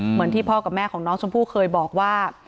เหมือนที่พ่อกับแม่ของน้องชมพู่เคยบอกว่า